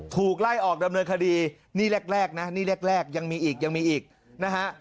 ถูกไล่ออกดำเนินคดีนี่แรกนะนี่แรกยังมีอีกยังมีอีกนะฮะ